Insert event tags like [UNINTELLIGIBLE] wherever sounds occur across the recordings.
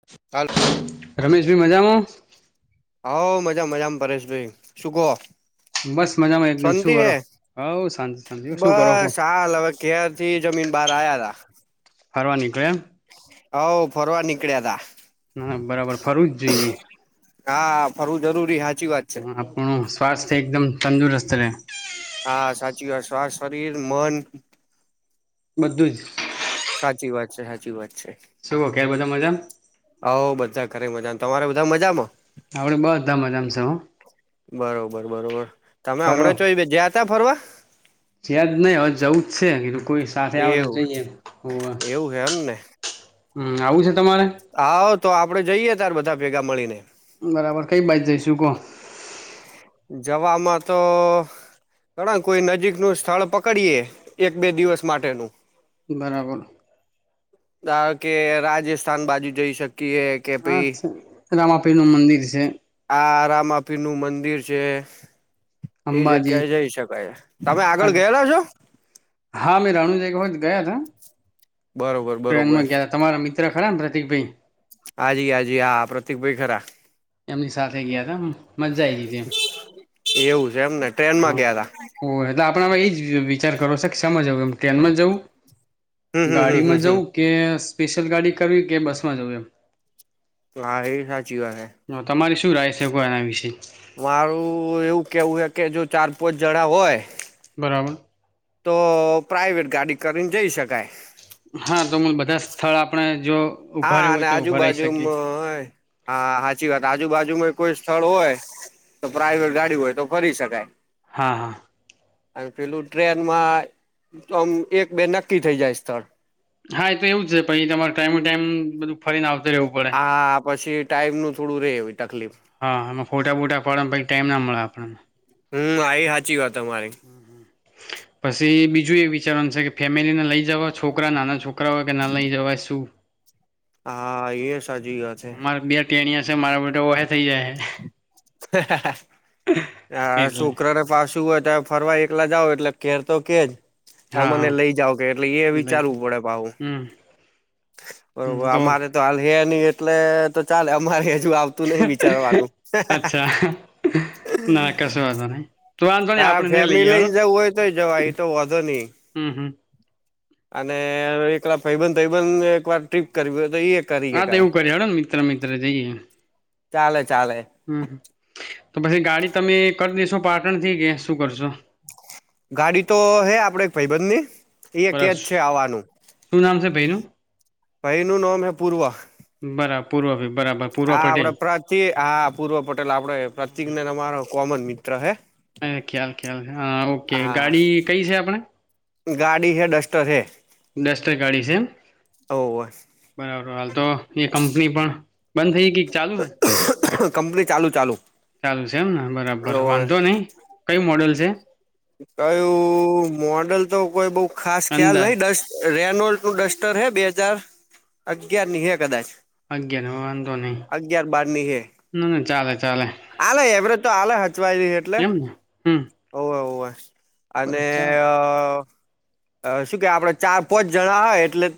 [UNINTELLIGIBLE] રમેશ ભાઈ મજામાં? હ મજા મજામાં પરેશ ભાઈ, શું કહો? બસ મજામાં એકદમ શું શાંતિ હે કરો હવ શાંતિ શાંતિ શું કરો કો બસ હાલ હવે ઘેરથી જ [UNINTELLIGIBLE] બહાર આયા તા. ફરવા નીકળેમ? હઉ ફરવા નીકળ્યા તા. એમ બરાબર ફરવું જ જોઈએ હા ફરવું જરૂરી હાજ હ આપણું સ્વાસ્થ્ય એકદમ તંદુરસ્ત રહે. હા સાચી વાત શ્વાસ્ શરીર મન. બધું જ. સાચી વાત છે, સાચી વાત છે. શું ઘેર બધા મજામ? હઉ બધા ઘરે મજા, તમારે બધા મજામાં? આપડે બધા મજામાં છે હો બરોબર બરોબર તમે હમણાં ચોય જયા ત્યા ફરવા? જ્યાજ નહી હવે જવું જ છે, કીધું કોઈ સાથે આવે તો એવું જઈએ. [UNINTELLIGIBLE] હમ્મ આવું છે. તમારે આવા તો આપડે જઈએ તાર બધા ભેગા મળીને. બરાબર કઈ બાજુ જઈશું કો? જવામાં તો ઘણા કોઈ નજીકનુ સ્થળ પકડીએ એક બે દિવસ માટેનું બરાબર. ધારોકે રાજસ્થાન બાજુ જઈ શક કીએ કે હા ભાઈ છે રામાપીર નું મંદિર છે આ રામાપીરનું મં દિર છે, એ અંબાજી જગ્યાએ જઈ શકાય તમે આગળ ગયેલા છો? હા મે રણુંજો એક વખત ગયા હતા. બરોબર બરોબર ટ્રેનમાં ગયા તમારા મિત્ર ખરાને પ્રતિક ભાઈ હજી આજી હા પ્રતિક ભાઈ ખરા એમની સાથે ગયા તા મજ્જા આઈ તી જેમ એવું છે, એમ ને ટ્રેન માં ગયા તા. આપમાં એ વિચાર કરો સેમા જવું ટ્રેનમાં જવું હમ હમ હમ ગાડીમાં હમ જવું હમ કે સ્પેશિયલ ગાડી કરવી કે બસમાં જવું એમ. હા એ સાચુ. હ તમારી શું રાય છે, કો એના વિશે. મારું એવું કેવું હે કે જો ચાર પાંચ જણા હોય બરાબર. તો પ્રાઇવેટ ગાડી કરીને જઈ શકાય હા તમે બધા સ્થળ આપણે જો ઊભા હા રહેવું અને હોય તો ઊભા રહી શકીએ આજુબાજુમાં હોય હા સાચી વાત આજુબાજુમાં કોઈ સ્થળ હોય તો પ્રાાઈવેટ ગાડી હોય તો ફરી શકાય હા હા આ પેલું ટ્રેનમાં આમ એક બે નક્કી થઈ જાય સ્થળ હા એ તો એવું છે, પહી તમારે ટાઈમ ટુ ટાઈમ બધું ફરીને આવ હા પછી ટાઈમનું થોડું રે એવી તકલીફ હા એમાં ફોટા બોટા પાડવાનો ટાઈમ ના મળે આપણને હમ આ એ સાચી વાત તમારી પછી બી જુ એ વિચારવાનું છે, કે ફેમિલીને લઈ જવા છોકરા નાના છોકરા હોય કે ના લઈ જવાય શું હા એ સાચી વાત છે. તેણીયા શે મારા બેટા ઓહે થઈ જાય આ એટલે છોકરાને પાસુ હોય ત્યાં ફરવા એકલા જાઓ એટલે ઘેર તો કેજ હા અમને હા લઈ જાવ કે એટલે એ લઈ વિચારવું પડે પાહુ હમ બરોબર અમારે તો હાલ હે ની એટલે તો ચાલે અમારે બીજું આવતું નહિ વિચારવાનું અચ્છા ના કશો વાંધો નહી તો વાંધો નહી હા આપણે નઈ ફેમિલી લઈએ હેડો લઈને જવું હોય તોય જવાય એતો વાંધોની હમ્મ, હમ્મ. અને એકલા ભાઈબંધ ભાઈબંધ એક વાર ટ્રીપ કરવી હોય તો એ કરી હા તો શકાય એવું કરીએ હેડોને મિત્ર મિત્ર જઈએે ચાલે, ચાલે તો પછી ગાડી તમે કરી દેેશો પાટણથી કે શું કરશો? ગાડી તો હે આપડે એક ભાઈબંધની એ બરા કેજ છે શું આવાનું નામ છે ભાઈનું ભાઈનું નામ હે પૂર્વ બરા પૂર્વ ભાઈ બરાબર પૂર્વ હા આપડે પટેલ પ્રતી હા પૂર્વ પટેલ આપડો પ્રતિક ને અમારો કોમન મિત્ર હે હા ખ્યાલ ખ્યાલ હા ઓકે હા ગાડી કઈ છે આપણે ગાડી હે ડસ્ટર હે ડસ્ટર ગાડી છે ઓવે એમ હાલ તો એ કંપની પણ બંધ થઈ કે ચાલુ હે? કંપની ચાલું ચાલું ચાલુ છે, એમને બરાબર વાંધો નય કયું મોડલ છે? કયું મોડલ તો કોઈ બઉ ખાસ ખ્યાલ નહિ અંદાજ દસ રેનો ડસ્ટર હે બે હજાર અગિયારની હે કદાચ અગિયાર વાંધો નહી અગિયાર બારની હે ના ના ચાલે ચાલે આલે એવરેજ તો આલે હચવાય એટલે એમ ને હમ. ઓ હો હો અને બરા ચાલ શું કે આપડ ચાર પોચ જણા હોય એટલે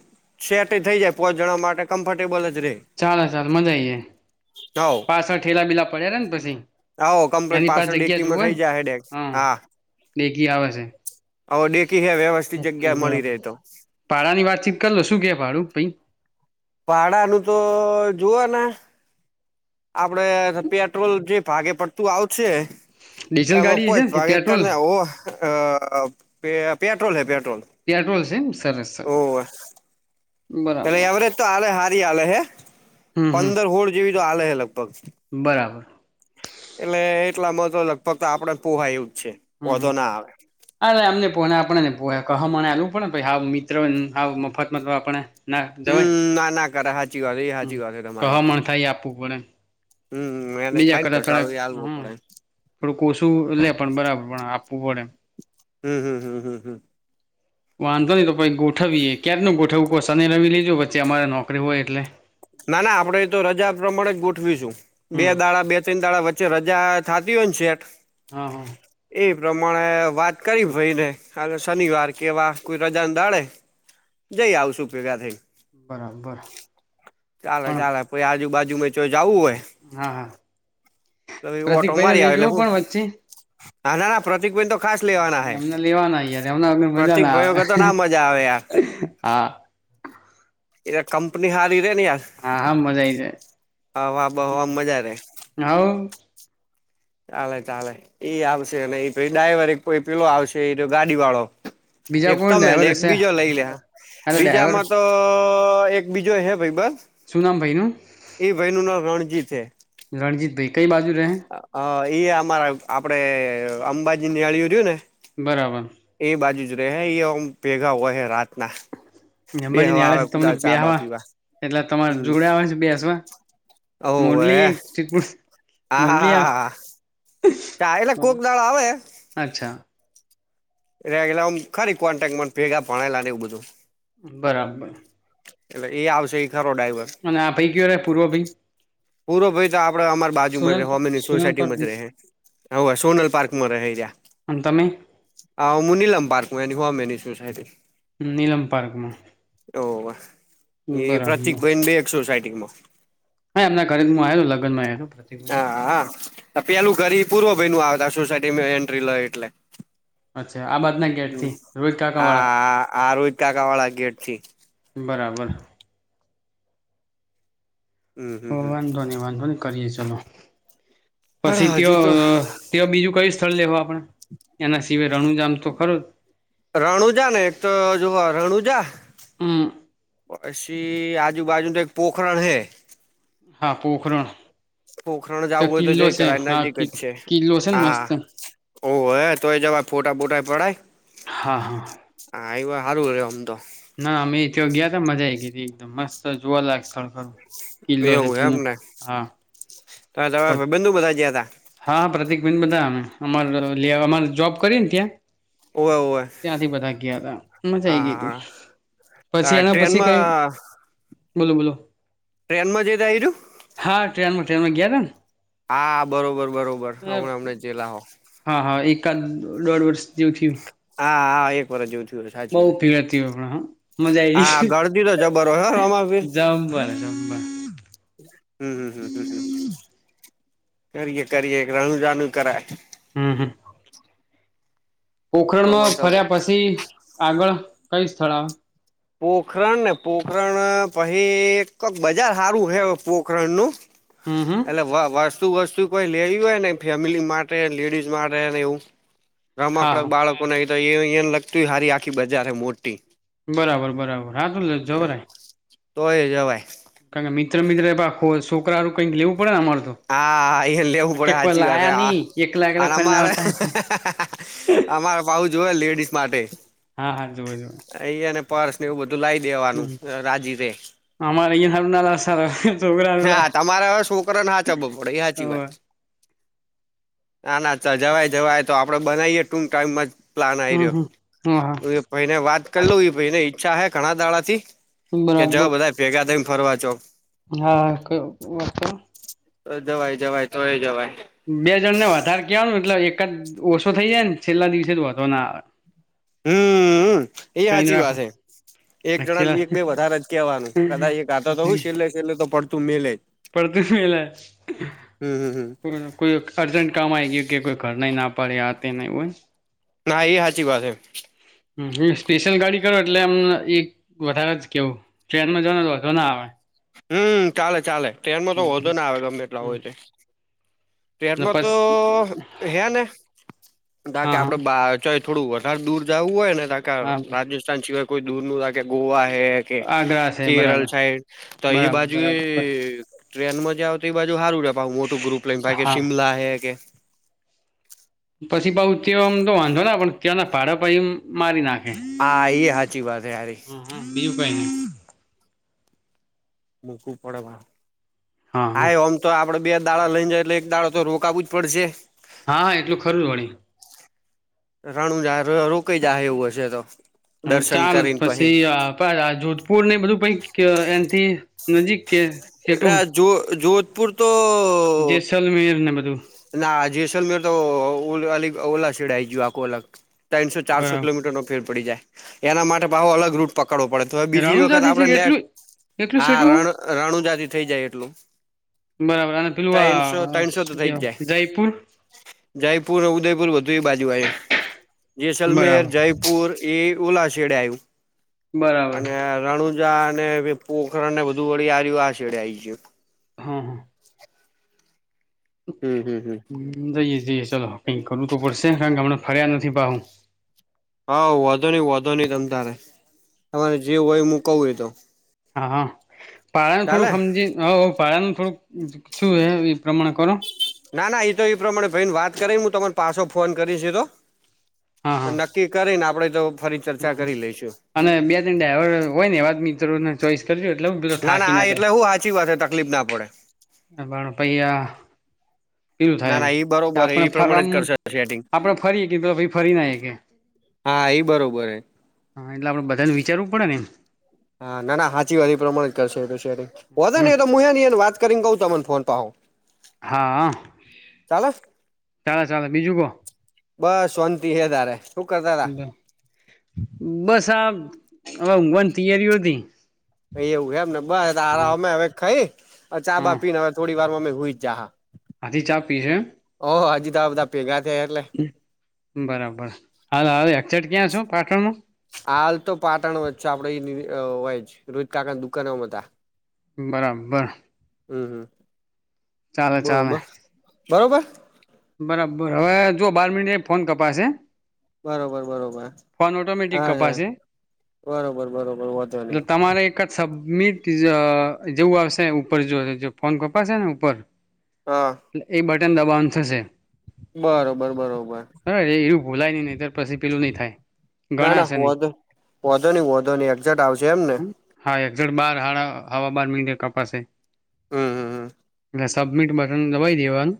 સેટ થઈ જાય પોચ જણવા માટે કમ્ફર્ટેબલ જ રે ચાલે ચાલ મજા આઈ પાછળ ઠેલા બીલા પડ્યા ને પછી આવો કમ્પ્લીટ એની પાસ પાછસો જગ્યા ડેકીમાં થઇ જાય ડેકસ હા. ડેકી આવે છે. આવો દેખી હ વ્યવસ્થિત જગ્યા મળી રહે તો પારા ની વાતચીત કરલો શું કે પારું પાઈ? ભડાનું તો જોવાના. આપડે પેટ્રોલ જે ભાગે પડતું આવશે. ડીઝલ એમાં ગાડી પો છે ને કે ભાગ પેટ્રોલ એકને ઓ અ પેટ્રોલ હે પેટ્રો પટ્રોલ છે સર સર. પલે એવરેજ તો આલે હારી આલે હે હમ હમ પંદર હોળ જેવી તો આલે હે. બરાબર એટલા માતો લગભગત આપડે પોહાય એ- - હમ હ અને અમને- - ને આપણે ને કહમા એલવું પણડ મિત્ર મફત મ આપણે ના જવાય હમ ના ના કર હા કહમણ થાય આપવું પડેમ. હમ એને બીજા થાય ને કરતા થોડાક કસારો એ હાલવો હમ પડે થોડું કોશું લે પણ બરાબર પણ આપવું પડે એમ હમ હમ હમ હમ હમ. વાંધો નહી તો પ ગોઠવીએે ક્યારે ન ગોઠવ? શનિ રવિ લીજો વચે અમારે નોકરી હોય એટલે. ના ના આપડે એ તો રજા પ્રમાણે જ ગોઠવીશું બે હમ દાડા બે ત્રણ દાળચ રજા થતી હોય ને શેટ હા હા. એ પ્રમાણે વાત કરી ભાઈને હ શનિવાર કેવા કોઈ રજાને દાડે જઈ આવશું ભેગા થઈ બરાબર. ચાલે પણ ચાલે પઈ આજુ બાાજુ જાવું હા હા હોય ઓટો પ્રતિકભાઈ ને મારી લઈ આવે એટલે જવો હું. પણ વચ્ચે હા ના પ્રતિક બેન તો ખાસ લેવાના હૈ એમને લેવાના યાર એમને વગર મજા પ્રતિક ના ભાઈ આવે કે તો ના મજા આવે યાર. હા એ કંપની હારી રે ને યાર હા હા મજા આઈ જાય હવા બહમ મજા રે હવ ચાલે ચાલે એ આવશે અને એ ડ્રાઈવર એક પેલો આવશે એ તો ગાડી વાળો. બીજા એક કોણ તમે ને ડ્રાઈવર એક હશે બીજો લઈ લે હા તો ડ્રાઈવર બીજામાં તો એક બીજો હ શું નામ ભાઈનું એ ભાઈ નું નામ રણજીત છે. રણજીત ભાઈ કઈ બાજુ રહે? એ અમારા આપડે અંબાજી નેહળિયો રહું ને. બરાબર એ બાજુ જ રે એમ ભેગા હો રાતના. અંબાજી બેહવા આવે કુદાળ ચા બા પીવા [UNINTELLIGIBLE] ટલે તમારે હમ જોડે આવે છે બેસવા ઓવે મોડલી હા હા મોડલી હા કોક દાળ આવે અચ્છા ભેગા ભણેલાં એવું બધું બરાબર એટલે એ આવશે ખરો ડ્રાઈવર અને આપી હોવે પૂરો ભાઈ તો આપડે અમારી બાજુમાં જ હામેની સોનલ પાર્ક સોસાયટીમાં જ રેહે હવે સોનલ અને તમે પાર્કમાં મુનીલમ પાર્ક સાહેબે નીલમ પાર્કમાં હોવે એ પ્રતિક બરાબર ભાઈની બે એક સોસાયટીમાં હા એમના ઘરે હું આવ્યો હતો લગ્નમાં આવ્યો હતો પ્રતિકભાઈના હા હા પેલું ઘરી પૂર્વ ભાઈ નુ આવે સોસાયટીમાં એન્ટ્રી લઈ એટલે અચ્છા આ બાજના ગેટથી રોહિત કાકા વાળા હા આ [UNINTELLIGIBLE] કાકા વાળા ગેટથી બરાબર હમ હમ હમ વાંધો ની વાંધો ની કરીએે ચાલો પછી હાડા તે હજુ તો તે બીજું કયું સ્થળ લેવા પણ એના સિવાય રણુજ જામ તો ખરો જ રણુજા ને એક તો જો પસી આજુબાજુ તો એક પોખરણ હૈ હા પોખરણ પોખરણ જાવું હોય તો કિલ્લો જય છે કરાય હા નજીક જ છે કિલ્લો છે ને હા મસ્ત હોવે તોરે બાહ્હ અછી પડાચ હા હા હા એવા હારું હોય આમ તો ના અમે તો ગીયા તા મજા એકદમ મસ્ત જોવાલાયક સ્થળ કિલ્લો છે એવું જૂનો એમને હા હા પ્રતિક બેેન બધા જોબ કરીએને ત્યાં ઓવે ઓવે ત્યાં થી બધ ગીયા તા મજા અ પછી એના પછી કઈ ટ્રેનમાં બોલો બોલો તેનવા બીદાચરુ તવે ને હા બરોબર બરોબર હમણા હા હા એકાદ દોઢ વર્ષ જેવું થયું હા હા એક જોવુ થીઉ બહુ સાચી વાત ભીડ હતી પણ હા મજા હા આવી ઘરતી તો જબર હોય હો રમાવીર [UNINTELLIGIBLE] હમ હમ હમ હ હ કરીએ કરીએ એક રણુ જાનુ કરાય હમ હમ પોખરણમાં ચોમાસામાં ફર્યા પછી આગળ કઈ સ્થળ આવે પોખરણ ને પોખરણ પહી ક બજાર હારું હે પોખરણનું હમ હમ એલે વા વા વસ્તુ કોઈ લેવી હોય ને ફેમિલી માટે લેડીઝ માટે ને એવું હા રમકડક હા બાળકોને લગતું હોય હારી આખી બજાર મોટી બરાબર બરાબર હા તોએ જવાય કારણ કે મિત્ર કઈક લેવું પડે ને અમારે તો હા એ લેવું કે પડે કોઈ હાચી વાત લાયા નહી એકલા એકલા ફરીને આવતા આ જોએ લેડીઝ માટે હા હા જોવો જોવો અહીયાને પર્સ ને એવું બધું લાઈ દેવાનું રાજી રે! આમારે અહીંયા હારું ના આશરા તોબરાઅલ્લા ચબ પડે ઈ હાચિ વાત. ના ના ચ જવાય જવાય તો આપડે બનાવીઇએ ટૂક ટાઈમ જ પ્લાન હમ આયરો. હમ હા તો હા એ ભયને વાતકર લવ એ ભયને ઈચ્છા અહે ઘણા દાડા થી કે જાઓ બરાબર બધા ભેગા થઈને ફરવા જવ. હા! કોઈ વાત કરોની તો જવાય જવાય તોયે જવાય. બે જણને વધારે કેવાનું એટલે એકાદ ઓછો થઇ જાય ને છેલ્લા દિવસે તો વધો ના આવે. હમમઅ એ કઈને હાચી રાખો વાત હે. એક જણા ન એક બે વધારે જ કેહેવાનું કદા એ કાતો તો હું છેલ્લે છેલ્લે તો પડતું મેલેજ. પડતુ મેલે, હમ હમ હમ કો કોઈ અર્જેન્ટ કામ આઈ ગીયુ કે કો ઘરનાયે ના પાડે આ તેમ એવુ હોય ના એ હાચી વાત હે. હમ સ્પેશિયલ ગાડી કરો એટલે એમ એક વધારે જ કેવું ટ્રેનમાં જવાનું વાધો ના આવે. હમ ચાલે ચાલે ટ્રેનમાં તો વધો ના આવે ગમે એટલા હોય હમ તોય. ને ટ્રેનમાં પસ તો હે ને બા કે હા હા આપડે બાર ચ થોડું વધારે દૂર જાવું હોય ને કાકા હા રાજસ્થાન સિવાય કોઈ દૂર નું લાગે ગોવા કે કે આગ્રા છે કેરલ બરાબર સાઈડ તો એ બરાબર બાજુ એ બરાબર ટ્રેનમાં જાવ તો એ બાજુ હારું રે પાહુ મોટું ગ્રુપ લઈને બાકી હા શિમલા હે કે પછી પાઉ તે આમ તો વાંધો ના પણ ત્યાંના ભાડા પહી મારી નાખે. હા! એ હાચી વાત હે હારી. એ ઉપાયને [UNINTELLIGIBLE] મુકુ પડવા હા હા આઈ ઓમ તો આપ આપડે બેજ દારા લઈને જાય એટલે એક દારો તો રોકાવવું જ પડશે. હા હા, એટલું ખરું જ વરી. રણુજા હારે રોકાઈ જાહે એવું હશે તો. હ દર્શન ચાલ કરીને પહી પછી આ આપણે આ જોધપુર ને બધું પહી એનથી નજીક? કે એ જો જોધપુર તો જેસલમેરને બ ના જેસલમેર તો અલ ઓલા છેડે આઈ ગીયુ આખુ અલગ. ત્રણસો-ચારસો બરાબર કિલોમીટર નો ફેર પડી જાય એના માટે પાહો અલગ રૂટ પક પકડવો પડે તો હવે બીજી વખત રણુજાથી છે આપડને કેટલું એટલું હાર સેટું રણુજાતિ થઈ જાય એટલું. બરાબર અને પેલુ ત્રણસો આ ત્રણસો તો શું થઈ જ કેવાય જયપુર? જયપુર અને ઉદયપુર બધુ એ બાજુ આયુ જેસલમેર બરાબર જયપુર એ એ ઓલા છેડે આયવું બરાબર અને રણુ જા ને પોખરણ ને બધું વળી આયરુ આ છેડે આઈ ગીયુ. હા હમ હમ હમ જી ચલો કઈ કરવું તો પડશે ને કારણ કે હમણા ફર્યા નથી પાહુ. હા, વધો નઈ વધો નઈ તમ તારે તમારે જે હોય હું કું એતો. હા પાળા નું થોડુંક સમજી હ પાળા નું થોડુંક શું હે એ પ્રમાણે કરો. ના ના એતો એ પ્રમાણે ભઈ ને વાત કરી ને હું તમારો પાછો ફોન કરીશ એતો. તો નક્કી કરીને આપડે જો હ અને બે તણ દાઈવર હોય ને એવાજ મિત્રો ને ચોઈસ પછી એટલે હુ પેલો થાકી આ ના જાય. એટલે હું સાચી વાત છે તકલીફ ના પડે ના પાડું પૈહા પેલું થાય ના એમ ના ઈ કે બરોબર એ આપણે પ્રમાણે ફરવામ જ કરશે સેટિંગ આપણે ફરીએ કે ભઈ ફરી ને આઈ એ કે હા એ બર હા, એટલે આપડે બધાને વિચારવું પડે ને એમ. હા ના ના હાચી વા પ્રમાણે જ કરશે શેર વધો ને હમ એ તો મુ એ વાત મ્યારે કરીરી ગો ત તમામ ફ પ હાવ. હા ચાલો ચાલો બીજું કોણ. બસ શોંતિ હે તારે શું કરતા. બસ આ ઊંઘવાની તૈયારીઓ હતી. એવું હમ ને બસ તારા હા અમે હવે ખાઈ ચા બા પીને હવે થોડી વાર હુઈ જા. આજે ચા પીહે. ઓ હાજી તો આ બધા ભેગા થયા એટલે. બરાબર હાલ હવે અક્ષર ક્યાં છો પાટણમાં. હાલ તો પાટણ વચ્ચે આપડે હોય રોહિત કાકા દુકાનોમાં હતા. બરાબર હું, હું ચાલે ચાલે બરોબર, બરોબર. બરાબર હવે જોઓ બાર મિનિટે ફોન કપાશે. બરોબર, બરોબર ફોન ઓટોમેટિક હા, હા. કપાશે બરોબર બરોબર વાંધો નહી. એટલે તમારે એક જ સબમિટ જેવું આવશે ઉપર જોશે ફોન કપાશે ને ઉપર હા એ એ બટન દબાવનું થશે. બરોબર બરોબર ભૂલા નહીં ત્યારે પેલું નહીં થાય. ના ના ગણાશે હો નહી ઓંધો નહી એક્ઝે્ટ આવશે એમને ઝળ બાર હા હવા બાર મીડે કપાસે. હું હું હું. એ સબમિટ બટન દેવાનું.